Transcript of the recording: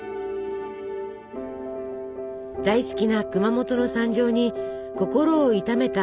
大好きな熊本の惨状に心を痛めた吉崎さん。